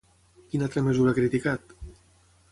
Quina altra mesura ha criticat?